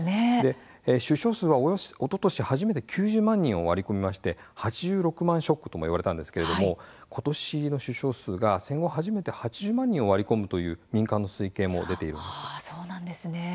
出生数はおととし初めて９０万人を割り込みまして８６万ショックともいわれたんですがことしの出生数が戦後初めて８０万人を割り込むという民間の推計も出ています。